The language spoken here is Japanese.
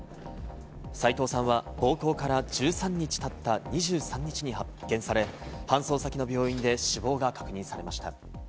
斎藤さんは暴行から１３日経った２３日に発見され、搬送先の病院で死亡が確認されました。